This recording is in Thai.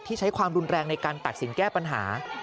ใช้ความรุนแรงในการตัดสินแก้ปัญหา